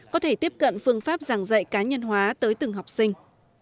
có thể tiếp cận phương pháp giảng dạy cá nhân hóa tới từng học sinh